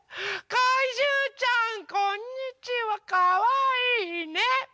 かいじゅうちゃんこんにちはかわいい。ね？